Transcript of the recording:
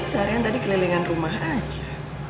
seharian tadi kelilingan rumah aja